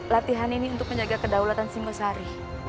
latihan ini untuk menjaga kedaulatan singosari